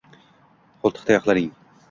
Qo’ltiqtayoqlarning